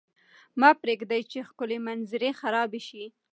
مه پرېږدئ چې ښکلې منظرې خرابې شي.